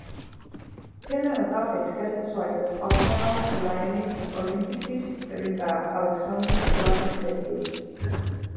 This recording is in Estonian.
Selle nädala keskel soetas Arsenal Lyoni Olympique'ist ründaja Alexandre Lacazette'i.